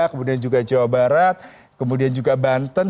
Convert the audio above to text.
kemudian juga jawa barat kemudian juga banten